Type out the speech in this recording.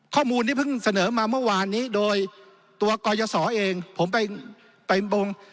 ข้อมูลที่เพิ่งเสนอมาเมื่อวานนี้โดยตัวกรยศเองผมไปไปบง